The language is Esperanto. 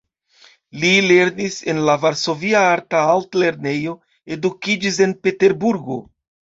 Li lernis en la Varsovia Arta Altlernejo, edukiĝis en Peterburgo.